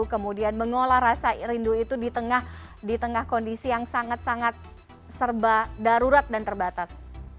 kemudian mengolah rasa rindu itu di tengah kondisi yang sangat sangat serba darurat dan terbatas